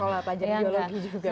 sekolah pelajari biologi juga ya